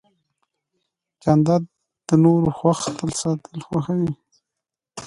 جانداد د نورو خوښ ساتل خوښوي.